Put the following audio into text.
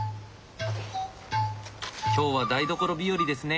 今日は台所日和ですね。